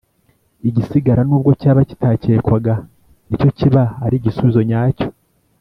igisigara nubwo cyaba kitakekwaga ni cyo kiba ari igisubizo nyacyo.